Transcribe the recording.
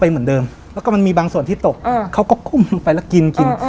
มีบางส่วนที่ตกเขาก็กุ้มลงไปและกิน